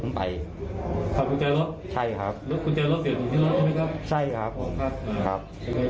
ครับต่อไปนะครับ